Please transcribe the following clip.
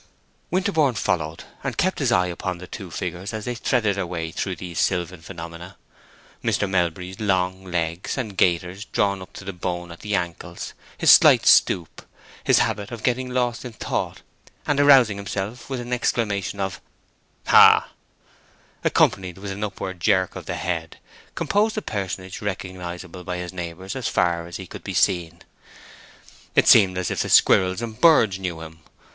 Winterborne followed, and kept his eye upon the two figures as they threaded their way through these sylvan phenomena. Mr. Melbury's long legs, and gaiters drawn in to the bone at the ankles, his slight stoop, his habit of getting lost in thought and arousing himself with an exclamation of "Hah!" accompanied with an upward jerk of the head, composed a personage recognizable by his neighbors as far as he could be seen. It seemed as if the squirrels and birds knew him.